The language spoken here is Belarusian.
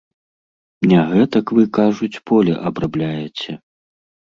Не гэтак вы, кажуць, поле абрабляеце.